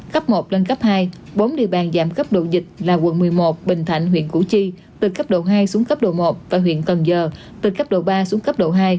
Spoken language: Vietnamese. cấp một lên cấp hai bốn địa bàn giảm cấp độ dịch là quận một mươi một bình thạnh huyện củ chi từ cấp độ hai xuống cấp độ một và huyện cần giờ từ cấp độ ba xuống cấp độ hai